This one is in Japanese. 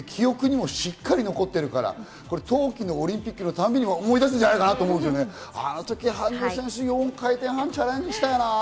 記憶にもしっかり残っているから、冬季のオリンピックのたびに思い出すんじゃないかなと思いますよね。